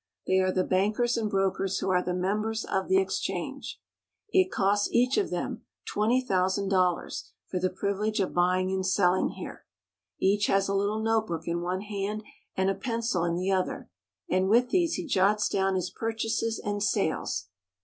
They are the bankers and brokers who are the members of the exchange. It costs each of them twenty thousand dollars for the privilege of buying and selHng here. Each has a little notebook in one hand and a pencil in the other, and with these he jots down his purchases and sales.